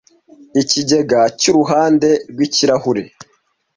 Ikigega cy'uruhande rw'ikirahure,